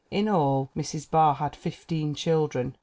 In all, Mrs. Barr had fifteen children.